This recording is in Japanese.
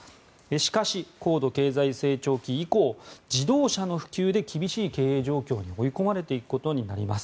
しかし、高度経済成長期以降自動車の普及で厳しい経営状況に追い込まれていくことになります。